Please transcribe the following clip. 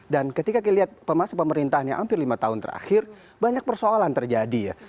dan ketika kita lihat masa pemerintahnya hampir lima tahun terakhir banyak persoalan terjadi ya